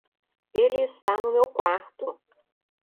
Ele está no meu quarto.